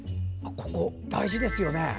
ここ大事ですよね。